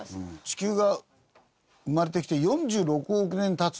地球が生まれてきて４６億年経つんだよね。